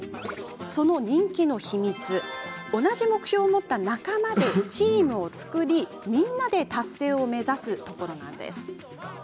人気の秘密は同じ目標を持った仲間でチームを作り、みんなで達成を目指すというところ。